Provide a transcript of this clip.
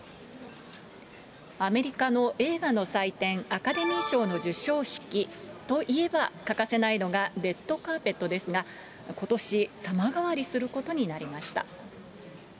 アメリカの映画の祭典、アカデミー賞の授賞式といえば、欠かせないのが、レッドカーペットですが、ことし、様変わりすることになりました。